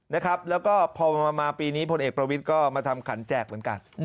แล้วก็พอมาปีนี้พลเอกประวิทย์ก็มาทำขันแจกเหมือนกัน